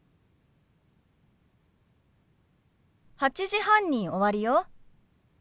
８時半に終わるよ。